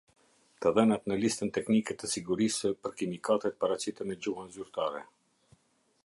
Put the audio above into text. Të dhënat në Listën teknike të sigurisë për kimikatet paraqiten në gjuhën zyrtare.